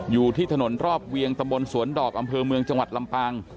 อยู่ที่ถนนรอบเวียงตำบลสวนดอกอำเภอเมืองจังหวัดลำปาง